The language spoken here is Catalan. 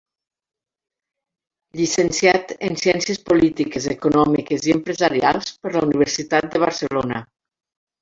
Llicenciat en ciències polítiques, econòmiques i empresarials per la Universitat de Barcelona.